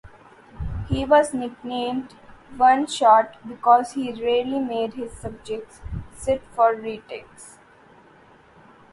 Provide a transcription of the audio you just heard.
He was nicknamed "One Shot" because he rarely made his subjects sit for retakes.